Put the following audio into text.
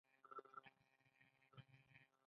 ایا په جرګو کې ګډون کوئ؟